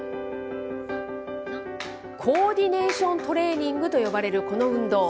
コーディネーショントレーニングと呼ばれるこの運動。